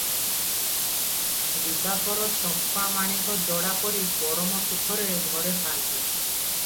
ଦିବାକର ଚମ୍ପା ମାଣିକଯୋଡ଼ା ପରି ପରମ ସୁଖରେ ଘରେ ଥାନ୍ତି ।